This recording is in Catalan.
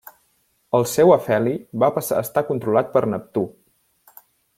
El seu afeli va passar a estar controlat per Neptú.